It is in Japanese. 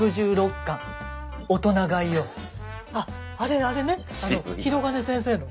あっあれあれね弘兼先生の。